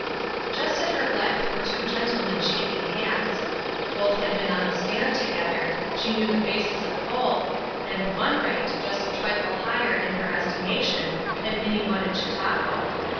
Just at her left were two gentlemen shaking hands. Both had been on the stand together, she knew the faces of both, and one ranked just a trifle higher in her estimation than any one at Chautauqua.